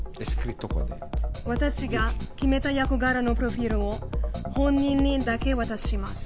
私が決めた役柄のプロフィールを本人にだけ渡します。